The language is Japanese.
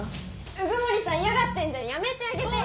鵜久森さん嫌がってんじゃんやめてあげてよ。